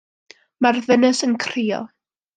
Mae'r ddynes yn crio.